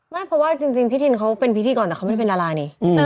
ไม่เพราะว่าจริงพี่ทินเขาเป็นพิธีกรแต่เขาไม่ได้เป็นดารานี่